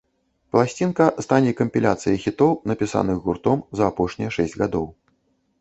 Пласцінка стане кампіляцыяй хітоў, напісаных гуртом за апошнія шэсць гадоў.